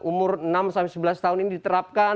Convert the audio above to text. umur enam sampai sebelas tahun ini diterapkan